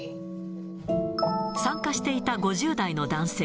参加していた５０代の男性。